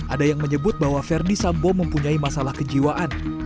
ada yang menyebut bahwa verdi sambo mempunyai masalah kejiwaan